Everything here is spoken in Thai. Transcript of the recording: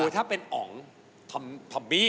อ๋อถ้าเป็นอ๋องธอมธอมบี้